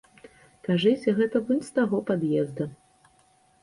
Кажысь, гэта вунь з таго пад'езда.